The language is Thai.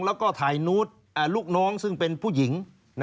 แล้วก็ถ่ายนูตลูกน้องซึ่งเป็นผู้หญิง